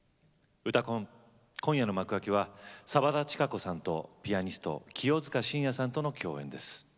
「うたコン」今夜の幕開きは澤田知可子さんとピアニスト清塚信也さんとの共演です。